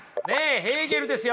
ヘーゲルですよ！